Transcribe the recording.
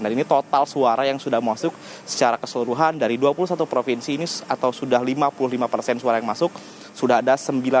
dan ini total suara yang sudah masuk secara keseluruhan dari dua puluh satu provinsi ini atau sudah lima puluh lima persen suara yang masuk sudah ada sembilan puluh sembilan lima ratus enam puluh enam enam ratus lima puluh dua